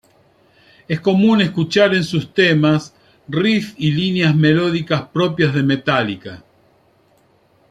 Es común escuchar en sus temas riffs y líneas melódicas propias de Metallica.